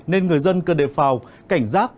nên người dân cần đề phào cảnh giác